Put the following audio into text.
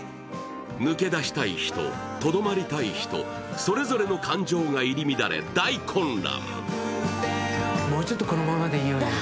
抜け出したい人、とどまりたい人、それぞれの感情が入り乱れ大混乱。